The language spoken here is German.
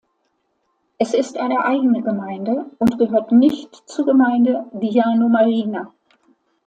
Es ist eine eigene Gemeinde und gehört nicht zur Gemeinde Diano Marina.